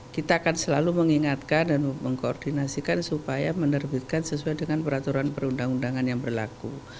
kita akan selalu mengingatkan dan mengkoordinasikan supaya menerbitkan sesuai dengan peraturan perundang undangan yang berlaku